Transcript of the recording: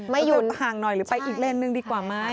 หยุดห่างหน่อยหรือไปอีกเลนสนึงดีกว่าไหม